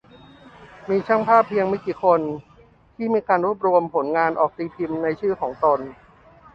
มีช่างภาพเพียงไม่กี่คนที่มีการรวบรวมผลงานออกตีพิมพ์ในชื่อของตน